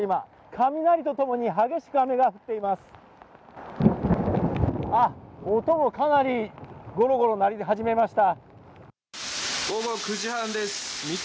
雷とともに激しく雨が降っています、音もかなりゴーゴー鳴り始めました。